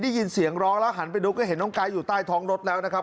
ได้ยินเสียงร้องแล้วหันไปดูก็เห็นน้องไกด์อยู่ใต้ท้องรถแล้วนะครับ